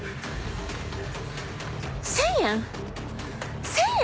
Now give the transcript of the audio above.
１，０００円！？